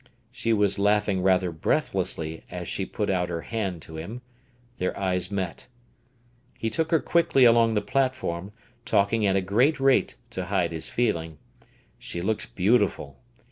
She was laughing rather breathlessly as she put out her hand to him; their eyes met. He took her quickly along the platform, talking at a great rate to hide his feeling. She looked beautiful.